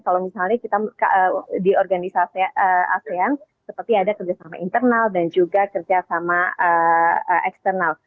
kalau misalnya kita di organisasi asean seperti ada kerjasama internal dan juga kerjasama eksternal